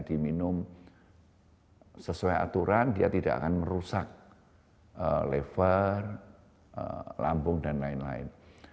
diminum sesuai aturan dia tidak akan merusak lever lambung dan lain lain